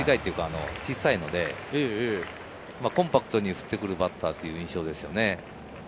小さいのでコンパクトに振ってくるバッターという印象ですね。